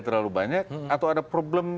terlalu banyak atau ada problem